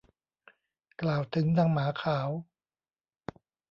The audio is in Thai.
กล่าวถึงนางหมาขาว